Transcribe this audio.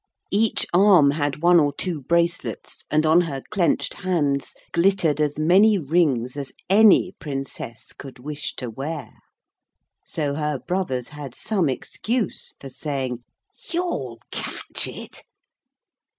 Each arm had one or two bracelets and on her clenched hands glittered as many rings as any Princess could wish to wear. So her brothers had some excuse for saying, 'You'll catch it.'